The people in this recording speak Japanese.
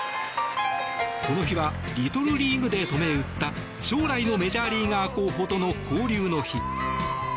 この日はリトルリーグ・デーと銘打った将来のメジャーリーガー候補との交流の日。